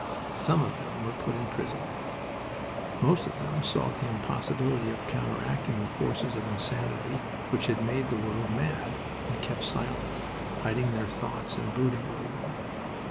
Some of them were put in prison. Most of them saw the impossibility of counteracting the forces of insanity which had made the world mad, and kept silent, hiding their thoughts and brooding over them.